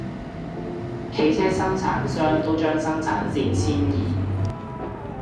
汽車生產商都將生產線遷移